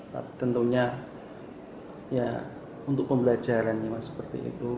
tapi tentunya untuk pembelajaran yang seperti itu